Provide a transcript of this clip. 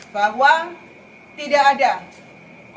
bahwa tidak ada ormas yang tidak bisa dikonsumsi